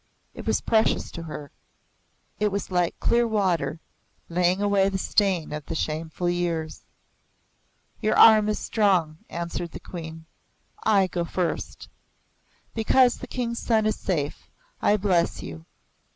It was precious to her. It was like clear water, laying away the stain of the shameful years. "Your arm is strong," answered the Queen. "I go first. Because the King's son is safe, I bless you.